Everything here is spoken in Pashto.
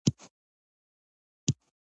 پښتانه ټول افغانان هم دي.